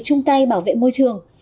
trung tay bảo vệ môi trường